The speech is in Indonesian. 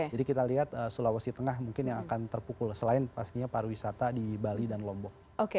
jadi kita lihat sulawesi tengah mungkin yang akan terpukul selain pastinya pariwisata di bali dan lombok